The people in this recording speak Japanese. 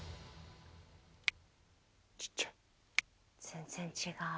全然違う。